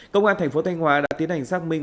công an thành phố thanh hóa đã tiến hành xác minh